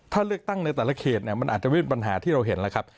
ถ้าเลือกตั้งในแต่ละเขตเนี่ยมันอาจจะไม่เป็นปัญหาที่เราเห็นแล้วครับ